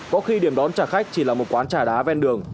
có khi điểm đón trả khách chỉ là một quán trà đá ven đường